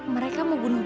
mereka mau bunuh gue